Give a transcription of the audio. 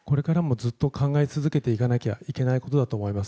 これからもずっと考え続けていかなきゃいけないことだと思います。